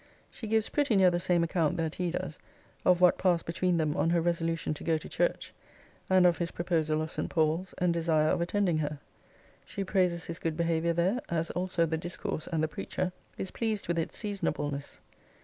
She gives pretty near the same account that he does of what passed between them on her resolution to go to church; and of his proposal of St. Paul's, and desire of attending her. She praises his good behaviour there; as also the discourse, and the preacher. Is pleased with its seasonableness.